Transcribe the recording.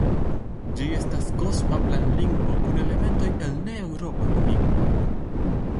Ĝi estas kosma planlingvo kun elementoj el ne-eŭropaj lingvoj.